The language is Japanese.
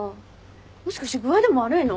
もしかして具合でも悪いの？